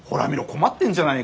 困ってんじゃないか。